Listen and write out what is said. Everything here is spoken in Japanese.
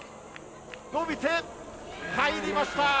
伸びて、入りました。